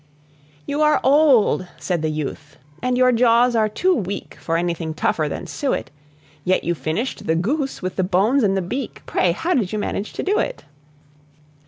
"You are old," said the youth, "and your jaws are too weak For anything tougher than suet; Yet you finished the goose, with the bones and the beak: Pray, how did you manage to do it?"